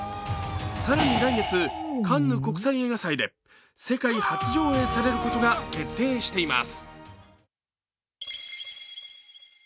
更に来月、カンヌ国際映画祭で世界初上映されることが決定しています。